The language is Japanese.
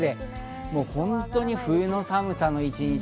本当に冬の寒さの一日。